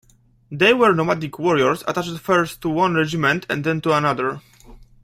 They were nomadic warriors, attached first to one Regiment and then to another.